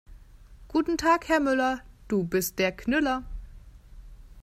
Guten Tag Herr Müller, du bist der Knüller.